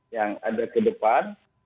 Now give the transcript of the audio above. yang ada ke depan